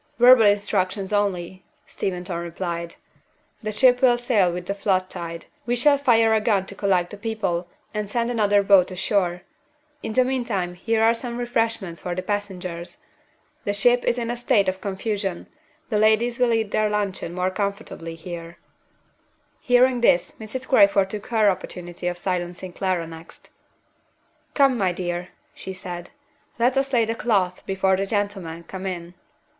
"Verbal instructions only," Steventon replied. "The ship will sail with the flood tide. We shall fire a gun to collect the people, and send another boat ashore. In the meantime here are some refreshments for the passengers. The ship is in a state of confusion; the ladies will eat their luncheon more comfortably here." Hearing this, Mrs. Crayford took her opportunity of silencing Clara next. "Come, my dear," she said. "Let us lay the cloth before the gentlemen come in."